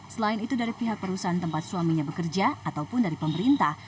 selain itu dari pihak perusahaan tempat suaminya bekerja ataupun dari pemerintah